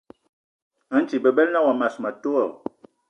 A nti bebela na wa mas ma tó?